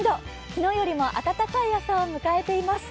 昨日よりも暖かい朝を迎えています。